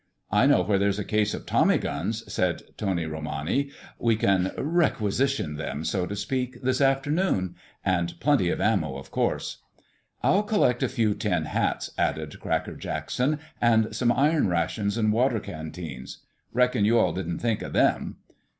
"I know where there's a case of tommy guns," said Tony Romani. "We can 'requisition' them, so to speak, this afternoon. And plenty of ammo, of course." "I'll collect a few tin hats," added Cracker Jackson, "and some iron rations and water canteens. Reckon you all didn't think of them."